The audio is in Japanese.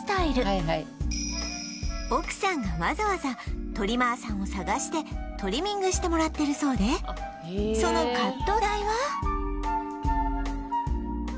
奥さんがわざわざトリマーさんを探してトリミングしてもらってるそうでそのカット代は？